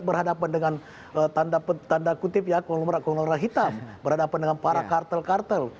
berhadapan dengan tanda kutip ya konglomerat konglomerat hitam berhadapan dengan para kartel kartel